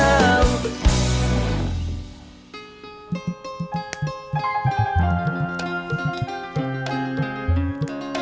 aduh aduh aduh